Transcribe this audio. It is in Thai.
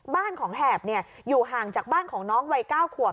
บ้านของแหบอยู่ห่างจากบ้านของน้องวัย๙ขวบ